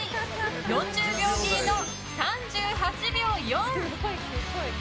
４０秒切りの３８秒４。